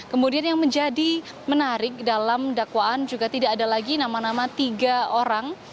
kemudian yang menjadi menarik dalam dakwaan juga tidak ada lagi nama nama tiga orang